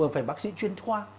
phải bác sĩ chuyên khoa